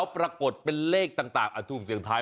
พูดในลักษณะแบบนี้